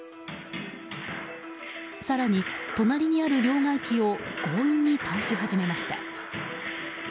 更に隣にある両替機を強引に倒し始めました。